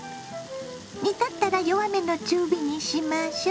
煮立ったら弱めの中火にしましょ。